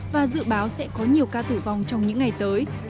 và dự báo sẽ có nhiều ca tử vong trong những ngày tới